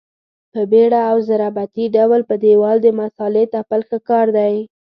په بېړه او ضربتي ډول په دېوال د مسالې تپل ښه کار دی.